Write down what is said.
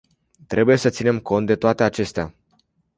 Trebuie să ținem cont de toate acestea.